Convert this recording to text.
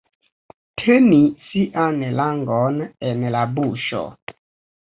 Teni sian langon en la buŝo.